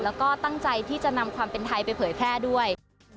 แล้วก็ตั้งใจที่จะนำความเป็นไทยไปเผยแพร่ด้วย